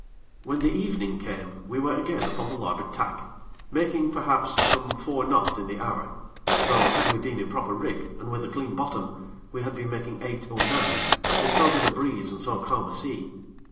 When the evening came, we were again upon the larboard tack, making, perhaps, some four knots in the hour; though, had we been in proper rig, and with a clean bottom, we had been making eight or nine, with so good a breeze and so calm a sea.